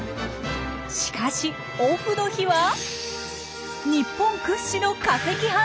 しかしオフの日は日本屈指の化石ハンター！